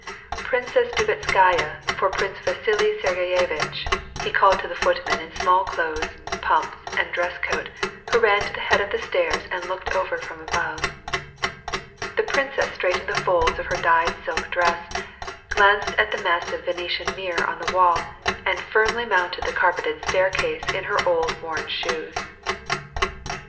Princess Drubetskaya for Prince Vasili Sergeyevitch," he called to the footman in smallclothes, pumps, and dress coat, who ran to the head of the stairs and looked over from above. The princess straightened the folds of her dyed silk dress, glanced at the massive Venetian mirror on the wall, and firmly mounted the carpeted staircase in her old worn shoes.